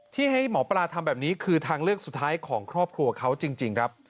ที่ให้หมอปลาทำแบบนี้คือทางเลือกสุดท้ายของครอบครัวเขาจริงครับ